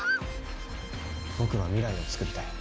僕は未来を作りたい。